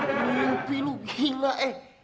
hih lu ngupi lu gila eh